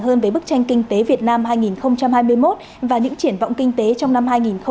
hơn về bức tranh kinh tế việt nam hai nghìn hai mươi một và những triển vọng kinh tế trong năm hai nghìn hai mươi